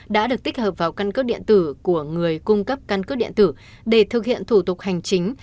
đã được tích hợp vào căn cước điện tử của người cung cấp căn cước điện tử để thực hiện thủ tục hành chính